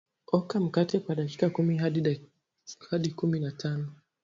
oka mkate kwa dakika kumi hadi kumi na tano